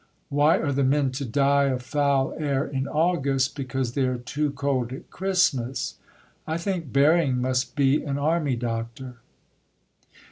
Why are the men to die of foul air in August because they are too cold at Christmas? I think Baring must be an army doctor."